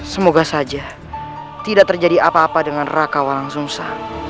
semoga saja tidak terjadi apa apa dengan raka walangsungsa